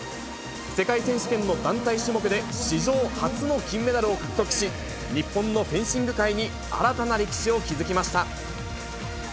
世界選手権の団体種目で史上初の金メダルを獲得し、日本のフェンシング界に新たな歴史を築きました。